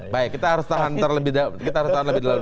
baik kita harus tahan lebih dalam